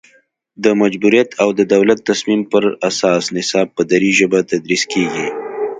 د مجبوریت او د دولت تصمیم پر اساس نصاب په دري ژبه تدریس کیږي